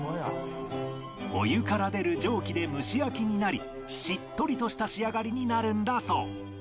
お湯から出る蒸気で蒸し焼きになりしっとりとした仕上がりになるんだそう